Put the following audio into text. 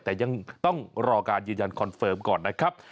แต่ยังต้องรอการยืนยันคอนเฟิร์มก่อนนะครับ